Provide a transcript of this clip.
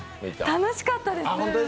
楽しかったです。